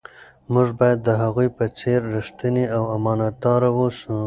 موږ باید د هغوی په څیر ریښتیني او امانتدار واوسو.